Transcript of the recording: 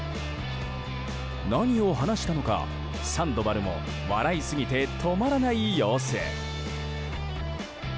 何を話したのか、サンドバルも笑いすぎて止まらない様子。